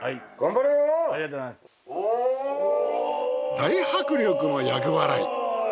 大迫力の厄払い。